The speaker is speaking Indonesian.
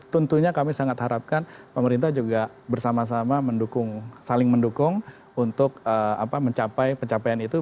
tentunya kami sangat harapkan pemerintah juga bersama sama saling mendukung untuk mencapai pencapaian itu